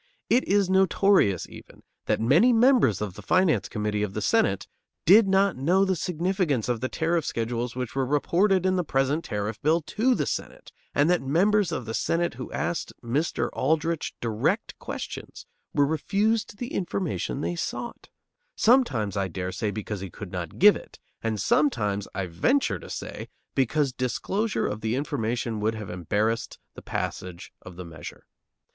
It is notorious, even, that many members of the Finance Committee of the Senate did not know the significance of the tariff schedules which were reported in the present tariff bill to the Senate, and that members of the Senate who asked Mr. Aldrich direct questions were refused the information they sought; sometimes, I dare say, because he could not give it, and sometimes, I venture to say, because disclosure of the information would have embarrassed the passage of the measure.